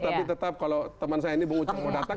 tapi tetap kalau teman saya ini bung ucap mau datang